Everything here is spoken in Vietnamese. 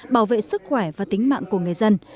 bảo vệ sức khỏe và tính mạng của người dân